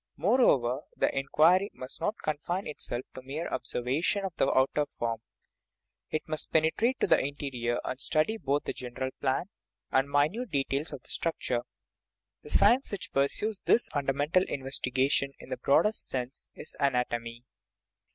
More over, the inquiry must not confine itself to mere ob servation of the outer form; it must penetrate to the interior, and study both the general plan and the mi nute details of the structure. The science which pur sues this fundamental investigation in the broadest sense is anatomy.